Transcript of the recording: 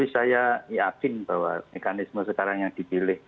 saya yakin bahwa mekanisme sekarang yang dipilih